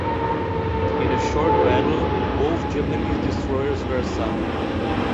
In a short battle, both Japanese destroyers were sunk.